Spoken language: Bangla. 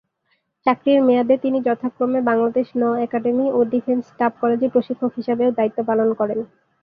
চাকরির মেয়াদে তিনি যথাক্রমে বাংলাদেশ নৌ একাডেমী ও ডিফেন্স স্টাফ কলেজে প্রশিক্ষক হিসাবেও দায়িত্ব পালন করেন।